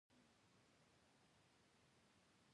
وګړي د افغانستان د امنیت په اړه هم ډېر لوی اغېز لري.